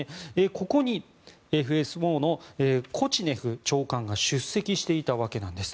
ここにＦＳＯのコチネフ長官が出席していたわけなんです。